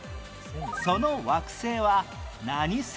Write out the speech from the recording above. その惑星は何星？